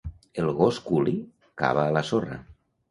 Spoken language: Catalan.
El gos Koolie cava a la sorra.